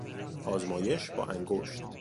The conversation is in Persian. آزمایش با انگشت